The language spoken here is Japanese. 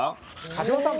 橋本さん